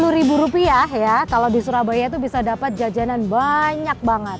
sepuluh ribu rupiah ya kalau di surabaya itu bisa dapat jajanan banyak banget